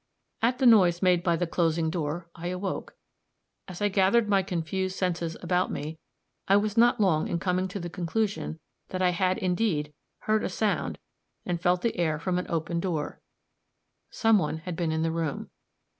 At the noise made by the closing door, I awoke. As I gathered my confused senses about me, I was not long in coming to the conclusion that I had, indeed, heard a sound and felt the air from an open door some one had been in the room.